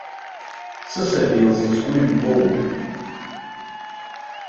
Сысаби лзы сгәы ҩбоумтәын.